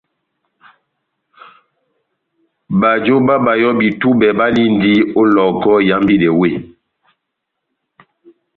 Bajo bá bayɔbi tubɛ balindi ó Lohoko ihambidɛ weh.